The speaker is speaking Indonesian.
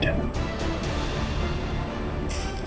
saya berbeda arso